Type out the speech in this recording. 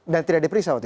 dan tidak diperiksa